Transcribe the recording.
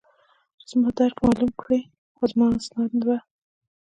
چې زما درک معلوم کړي، خو زما اسناد به.